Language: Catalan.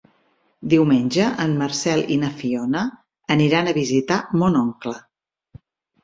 Diumenge en Marcel i na Fiona aniran a visitar mon oncle.